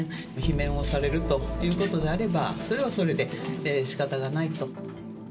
罷免をされるということであれば、それはそれでしかたがないと。